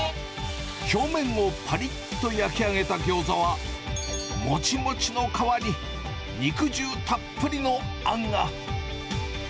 表面をぱりっと焼き上げたギョーザは、もちもちの皮に、肉汁たっぷりのあんが。